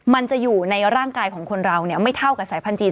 มันจะอยู่ในร่างกายของคนเราไม่เท่ากับสายพันธุจีน